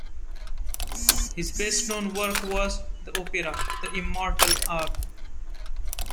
His best known work was the opera "The Immortal Hour".